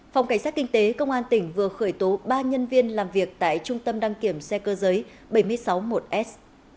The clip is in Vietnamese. phòng cảnh sát kinh tế công an tỉnh vừa khởi tố ba nhân viên làm việc tại trung tâm đăng kiểm xe cơ giới bảy trăm sáu mươi một s